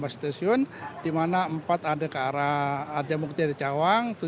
delapan belas stasiun di mana empat ada ke arah arja bukti dari cawang